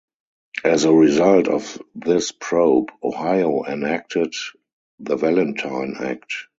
As a result of this probe, Ohio enacted the Valentine Act.